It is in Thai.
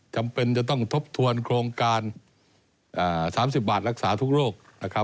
จำเป็นจะต้องทบทวนโครงการ๓๐บาทรักษาทุกโรค